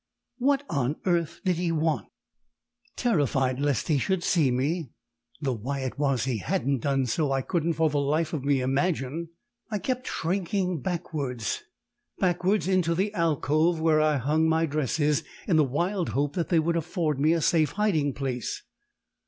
what on earth did he want? Terrified lest he should see me though why it was he hadn't done so I couldn't for the life of me imagine I kept shrinking backwards, backwards into the alcove where I hung my dresses, in the wild hope that they would afford me a safe hiding place.